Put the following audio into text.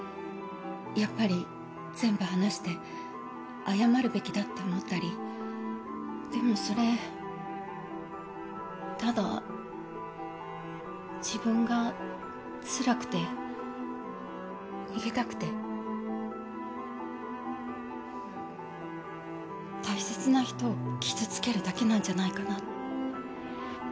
やっぱり全部話して謝るべきだっでもそれただ自分がつらくて逃げたくて大切な人を傷つけるだけなんじゃないかな